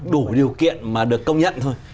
đủ điều kiện mà được công nhận thôi